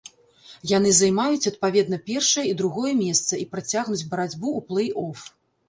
Яны займаюць адпаведна першае і другое месца і працягнуць барацьбу ў плэй-оф.